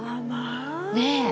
ねえ。